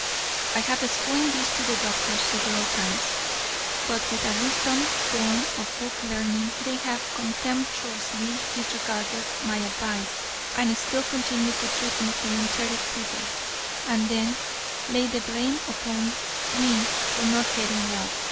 I have explained this to the doctors several times, but with a wisdom born of book learning they have contemptuously disregarded my advice and still continue to treat me for enteric fever, and then lay the blame upon me for not getting well.